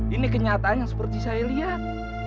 ini kenyataan yang seperti saya lihat